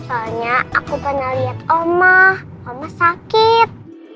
soalnya aku pernah liat oma oma sakit